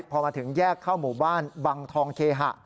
พอมาถึงแยกเข้าหมู่บ้านบังทองเคหะ